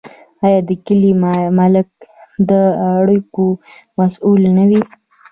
آیا د کلي ملک د اړیکو مسوول نه وي؟